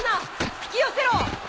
引き寄せろ！